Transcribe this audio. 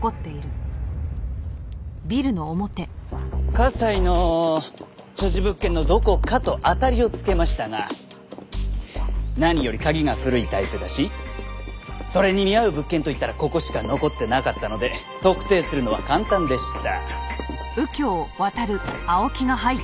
加西の所持物件のどこかと当たりをつけましたが何より鍵が古いタイプだしそれに見合う物件といったらここしか残ってなかったので特定するのは簡単でした。